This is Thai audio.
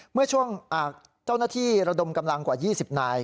เมื่อช่วงเจ้าหน้าที่ระดมกำลังกว่า๒๐นาย